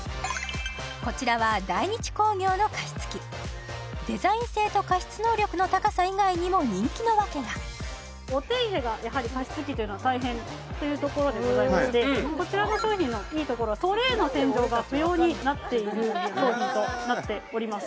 こちらはダイニチ工業の加湿器デザイン性と加湿能力の高さ以外にも人気のわけがお手入れがやはり加湿器は大変というところでございましてこちらの商品のいいところはトレイの洗浄が不要になっている商品となっております